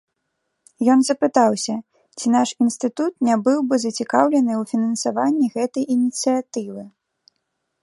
Ён запытаўся, ці наш інстытут не быў бы зацікаўлены ў фінансаванні гэтай ініцыятывы.